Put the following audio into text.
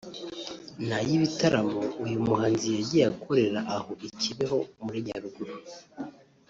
ni ay’ibitaramo uyu muhanzi yagiye akorera aho i Kibeho muri Nyaruguru